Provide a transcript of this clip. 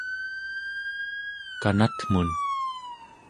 kanatmun